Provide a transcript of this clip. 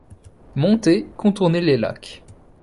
Monter, contourner les lacs.